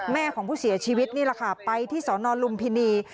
ของผู้เสียชีวิตนี่แหละค่ะไปที่สนลุมพินี